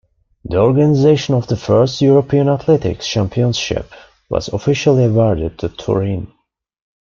The organization of the first European Athletics Championships was officially awarded to Turin.